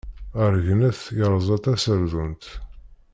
Aregnet yerza taserdunt.